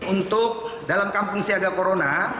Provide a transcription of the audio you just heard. untuk dalam kampung siaga corona